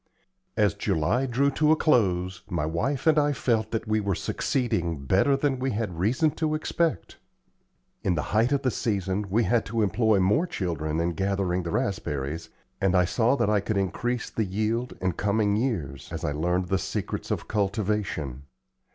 As July drew to a close, my wife and I felt that we were succeeding better than we had had reason to expect. In the height of the season we had to employ more children in gathering the raspberries, and I saw that I could increase the yield in coming years, as I learned the secrets of cultivation.